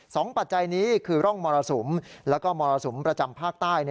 ปัจจัยนี้คือร่องมรสุมแล้วก็มรสุมประจำภาคใต้